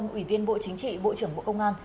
ủy viên bộ chính trị bộ trưởng bộ công an